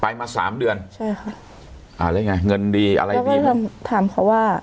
มาสามเดือนใช่ค่ะอ่าแล้วไงเงินดีอะไรดีเพิ่มถามเขาว่า